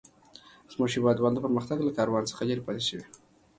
زموږ هيوادوال د پرمختګ له کاروان څخه لري پاته شوي.